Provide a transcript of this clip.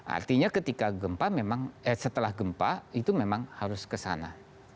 artinya ketika gempa memang setelah gempa itu memang harus kesana